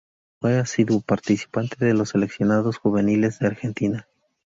Fue asiduo participante de los seleccionados juveniles de Argentina.